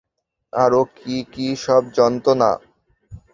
আরো কী কী সব যন্ত্রণা।